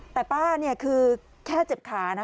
แต่ป้าเนี่ยคือแค่เจ็บขานะ